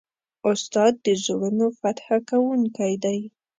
استاد د زړونو فتح کوونکی دی.